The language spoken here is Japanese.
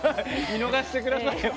見逃してくださいよ！